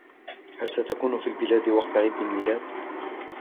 هل ستكون في البلاد وقت عيد الميلاد؟